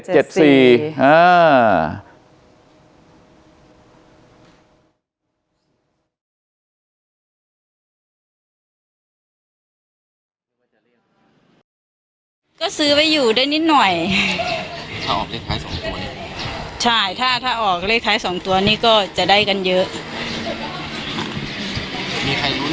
จะได้รางวัลที่หนึ่งวันนี้ใช่ไหม